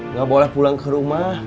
nggak boleh pulang ke rumah